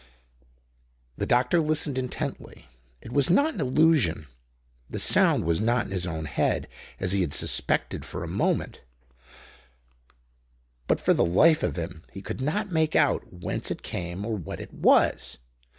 The doctor listened intently. It was not an illusion, the sound was not in his own head, as he had suspected for a moment; but for the life of him he could not make out whence it came or what it was.